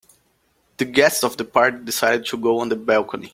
The guests of the party decided to go on the balcony.